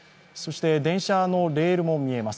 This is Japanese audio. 電車のレールも見えます。